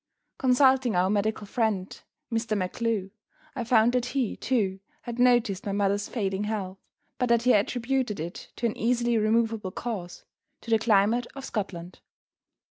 Consulting our medical friend, Mr. MacGlue, I found that he, too, had noticed my mother's failing health, but that he attributed it to an easily removable cause to the climate of Scotland.